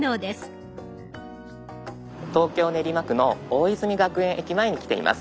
東京・練馬区の大泉学園駅前に来ています。